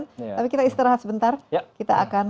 tapi kita istirahat sebentar kita akan